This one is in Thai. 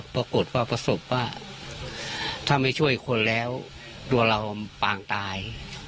ปรากฏว่าประสบว่าถ้าไม่ช่วยคนแล้วตัวเราปางตาย